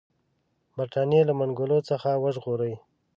برټانیې له منګولو څخه وژغوري.